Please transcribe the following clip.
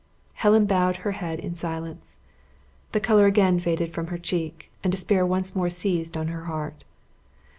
Helen bowed her head in silence. The color again faded from her cheek, and despair once more seized on her heart.